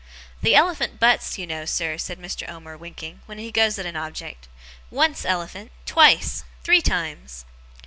'The elephant butts, you know, sir,' said Mr. Omer, winking, 'when he goes at a object. Once, elephant. Twice. Three times!